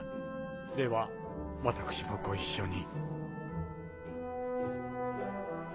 では私もご一緒に。